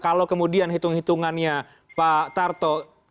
kalau kemudian hitung hitungannya pak tarto